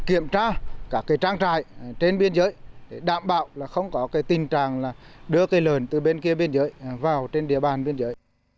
kiểm tra các trang trại trên biên giới để đảm bảo là không có tình trạng đưa cây lợn từ bên kia biên giới vào trên địa bàn biên giới